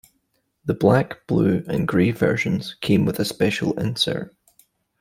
The black, blue, and gray versions came with a special insert.